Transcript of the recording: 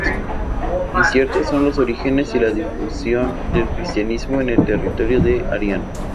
Inciertos son los orígenes y la difusión del cristianismo en el territorio de Ariano.